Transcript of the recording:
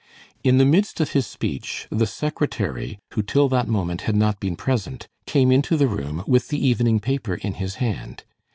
In the midst of his speech the secretary, who till that moment had not been present, came into the room with the evening paper in his hand.